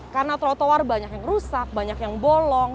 karena trotoar banyak yang rusak banyak yang bolong